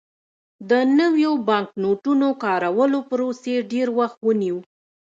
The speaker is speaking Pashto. د نویو بانکنوټونو کارولو پروسې ډېر وخت ونیو.